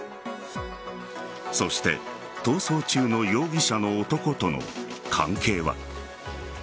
そして逃走中の容疑者の男との関係は。